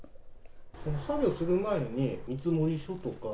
作業する前に見積書とか。